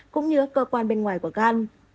cũng như các cơ quan bên ngoài của gan